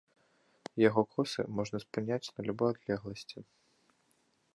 Яго косы можна спыняць на любой адлегласці.